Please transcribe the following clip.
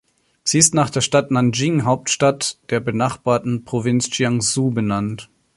Sie ist nach der Stadt Nanjing, Hauptstadt der benachbarten Provinz Jiangsu benannt.